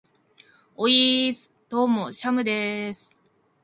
ｵｨｨｨｨｨｨｯｽ!どうもー、シャムでーす。